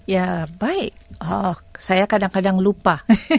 ya baik saya kadang kadang lupa